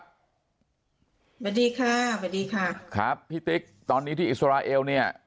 สวัสดีครับพี่ติ๊กตอนนี้ที่อิสราเอลเนี่ย